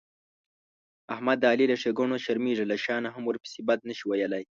احمد د علي له ښېګڼونه شرمېږي، له شا نه هم ورپسې بد نشي ویلای.